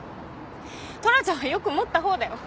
トラちゃんはよく持ったほうだよ。